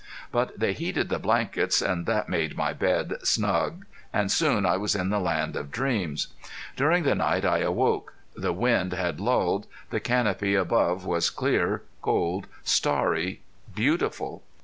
But they heated the blankets and that made my bed snug and soon I was in the land of dreams. During the night I awoke. The wind had lulled. The canopy above was clear, cold, starry, beautiful.